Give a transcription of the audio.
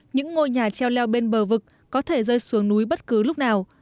những ngôi nhà treo leo bên bờ vực có thể rơi xuống núi bất cứ lúc nào